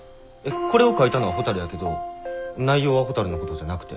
これを書いたのはほたるやけど内容はほたるのことじゃなくて？